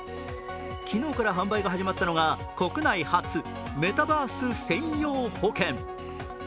昨日から販売が始まったのが国内初メタバース専用保険。